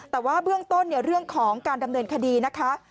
แต่ว่าเบื้องต้นเนี่ยเรื่องของการดำเนินคดีนะคะ